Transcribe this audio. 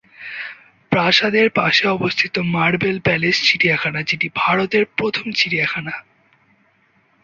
প্রাসাদের পাশে অবস্থিত মার্বেল প্যালেস চিড়িয়াখানা, যেটি ভারতের প্রথম চিড়িয়াখানা।